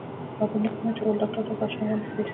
او بل نه پوهېږم ولې ډاکتر راته اشنا غوندې اېسېده.